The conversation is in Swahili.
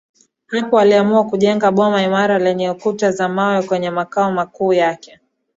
Hapo aliamua kujenga boma imara lenye kuta za mawe kwenye makao makuu yake